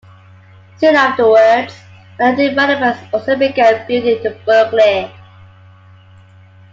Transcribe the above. Soon afterwards, other developers also began building in Berkeley.